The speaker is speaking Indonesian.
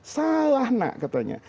salah nak katanya